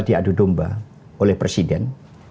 diadu domba oleh presiden